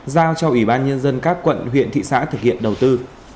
giao cho ủy ban nhân dân các quận huyện thị xã thực hiện đầu tư